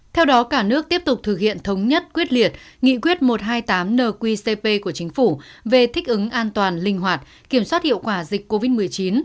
theo đó cả nước tiếp tục thực hiện thống nhất quyết liệt nghị quyết một trăm hai mươi tám nqcp của chính phủ về thích ứng an toàn linh hoạt kiểm soát hiệu quả dịch covid một mươi chín